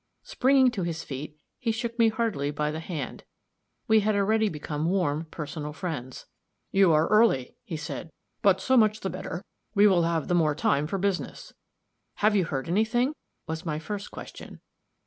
Springing to his feet, he shook me heartily by the hand; we had already become warm personal friends. "You are early," he said, "but so much the better. We will have the more time for business." "Have you heard any thing?" was my first question.